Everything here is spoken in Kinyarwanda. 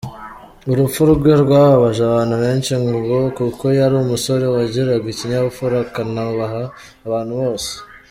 Urupfu rwe rwababaje abantu benshi ngo kuko yari umusore wagiraga ikinyabupfura, akanubaha abantu bose.